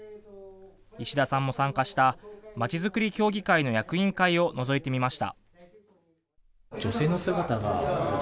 石田さんも参加したまちづくり協議会の役員会をのぞいてみました。